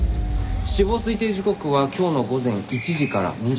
死亡推定時刻は今日の午前１時から２時。